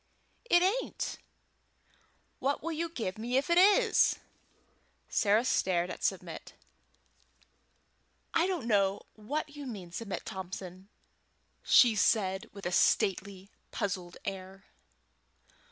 "It ain't." "What will you give me if it is?" Sarah stared at Submit. "I don't know what you mean, Submit Thompson," said she, with a stately and puzzled air.